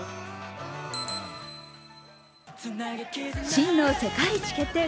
真の世界一決定